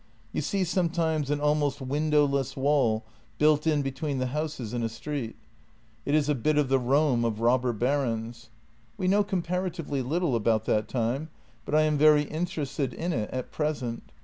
You see sometimes an almost windowless wall JENNY 81 built in between the houses in a street. It is a bit of the Rome of the robber barons. We know comparatively little about that time, but I am very interested in it at present.